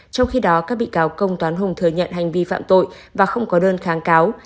trong khi đó các bị cáo công toán hùng thừa nhận hành vi phạm tội và không có đơn kháng cáo